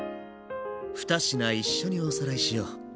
２品一緒におさらいしよう。